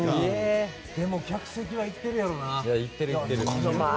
でも客席は、いってるやろな。